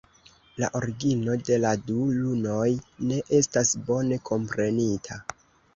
La origino de la du lunoj ne estas bone komprenita.